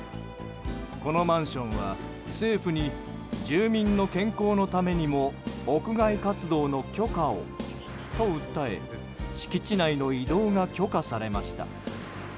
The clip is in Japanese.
このマンションは政府に、住民の健康のためにも屋外活動の許可をと訴え敷地内の移動が許可されました。